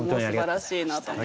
すばらしいなと思って。